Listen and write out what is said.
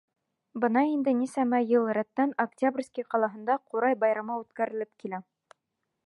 Бына инде нисәмә йыл рәттән Октябрьский ҡалаһында Ҡурай байрамы үткәрелеп килә.